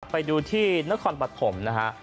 ไปดูที่นครปฐมนะฮะ